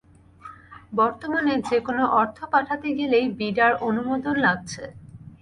বর্তমানে যেকোনো অর্থ পাঠাতে গেলেই বিডার অনুমোদন লাগছে।